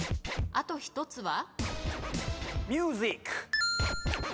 あと１つは？